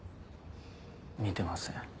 見てません。